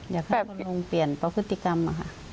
อยากให้คุณลุงเปลี่ยนประพฤติกรรมค่ะ